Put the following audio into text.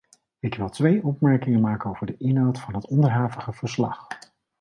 Ik wil twee opmerkingen maken over de inhoud van het onderhavige verslag.